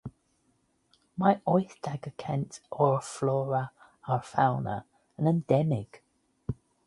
Mae wyth deg y cant o'r fflora a'r ffawna yn endemig.